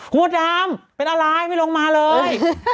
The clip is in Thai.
ครูดำเป็นอะไรไม่ลงมาเลย